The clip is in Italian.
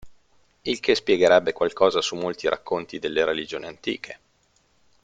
Il che spiegherebbe qualcosa su molti racconti delle religioni antiche.